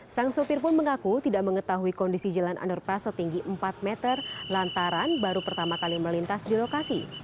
sang sopir pun mengaku tidak mengetahui kondisi jalan underpass setinggi empat meter lantaran baru pertama kali melintas di lokasi